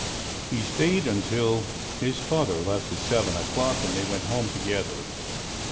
He stayed until his father left at 7 o'clock, and they went home together.